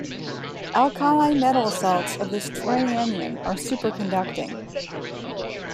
Alkali metal salts of this trianion are superconducting.